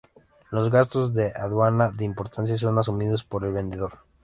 Los gastos de aduana de importación son asumidos por el vendedor.